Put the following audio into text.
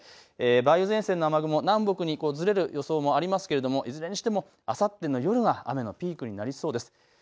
梅雨前線の雨雲、南北にずれる予想もありますがいずれにしてもあさっての夜が雨のピークになりそうです。